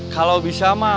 kalau bisa ma